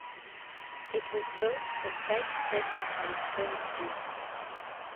It was built with baked bricks and tilled roof.